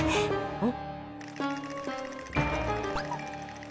あっ。